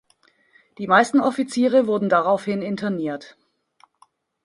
Die meisten Offiziere wurden daraufhin interniert.